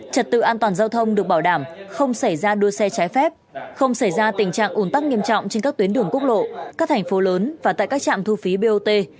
trật tự an toàn giao thông được bảo đảm không xảy ra đua xe trái phép không xảy ra tình trạng ồn tắc nghiêm trọng trên các tuyến đường quốc lộ các thành phố lớn và tại các trạm thu phí bot